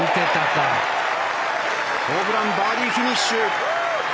ホブランバーディーフィニッシュ。